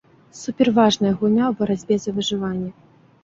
Суперважная гульня ў барацьбе за выжыванне.